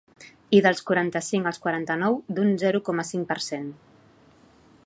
I dels quaranta-cinc als quaranta-nou, d’un zero coma cinc per cent.